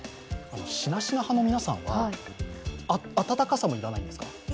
しなしな派の皆さんは温かさも要らないんですか？